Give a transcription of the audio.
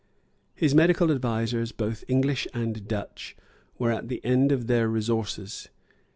His medical advisers, both English and Dutch, were at the end of their resources.